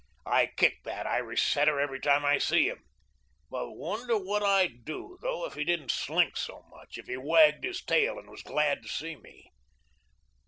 I kick that Irish setter every time I see him but wonder what I'd do, though, if he didn't slink so much, if he wagged his tail and was glad to see me?